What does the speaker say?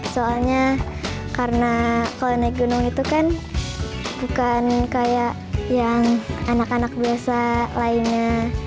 soalnya karena kalau naik gunung itu kan bukan kayak yang anak anak biasa lainnya